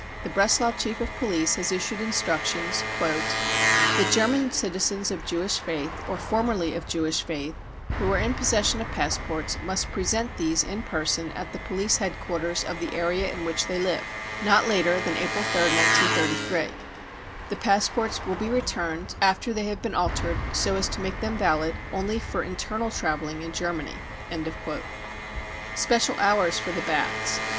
The Breslau chief of police has issued instructions " that German citizens of Jewish faith or formerly of Jewish faith who are in possession of passports must present these in person at the police headquarters of the area in which they live, not later than April 3rd, 1933. The passports will be returned after they have been altered so as to make them valid only for internal travelling in Germany," Special Hours for the Baths.